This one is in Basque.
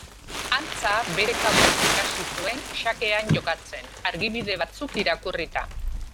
Antza, bere kabuz ikasi zuen xakean jokatzen, argibide batzuk irakurrita.